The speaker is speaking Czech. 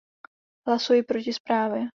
Hlasuji proti zprávě.